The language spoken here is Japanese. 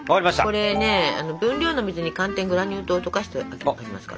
これね分量の水に寒天グラニュー糖を溶かしておきました。